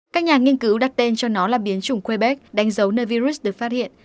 các nhà nghiên cứu đặt tên cho nó là biến chủng quebec đánh dấu nơi virus được phát hiện